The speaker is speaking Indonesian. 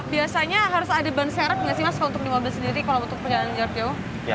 misalnya harus ada ban serap nggak sih mas untuk mobil sendiri kalau untuk perjalanan jauh jauh